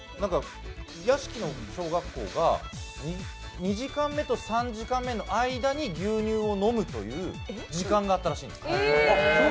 屋敷の小学校、２時間目と３時間目の間に牛乳を飲むという時間があったらしいんです。